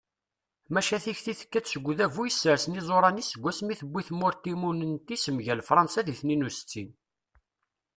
maca tikti tekka-d seg udabu yessersen iẓuṛan-is segmi tewwi tmurt timunent-is mgal fṛansa di tniyen u settin